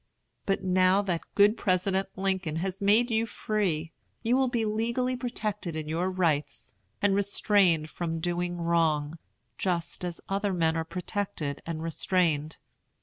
But now that good President Lincoln has made you free, you will be legally protected in your rights and restrained from doing wrong, just as other men are protected and restrained.